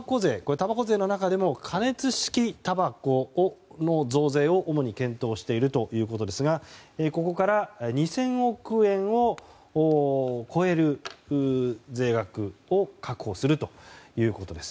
たばこ税の中でも加熱式たばこの増税を主に検討しているということですがここから２０００億円を超える税額を確保するということです。